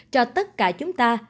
cho tất cả chúng ta